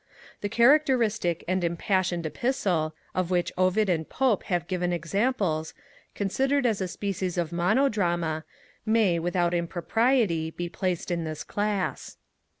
The characteristic and Impassioned Epistle, of which Ovid and Pope have given examples, considered as a species of monodrama, may, without impropriety, be placed in this class.